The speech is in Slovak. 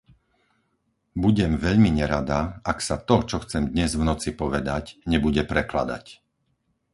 Budem veľmi nerada, ak sa to, čo chcem dnes v noci povedať, nebude prekladať.